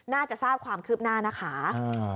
น่าจะทราบความคืบหน้านะคะ